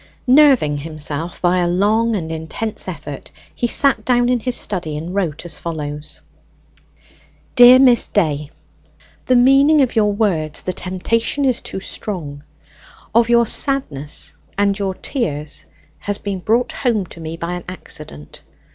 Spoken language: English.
Nerving himself by a long and intense effort, he sat down in his study and wrote as follows: "DEAR MISS DAY, The meaning of your words, 'the temptation is too strong,' of your sadness and your tears, has been brought home to me by an accident.